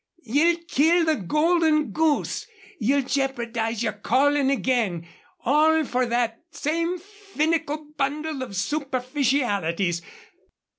_ Ye'll kill the golden goose. Ye'll jeopardize your callin' again, all for that same finical bundle of superficialities.